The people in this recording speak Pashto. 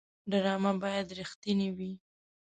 ډرامه باید رښتینې وي